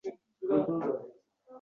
Uylangan Angliya shahzodasi